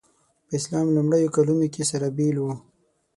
په اسلام لومړیو کلونو کې سره بېل وو.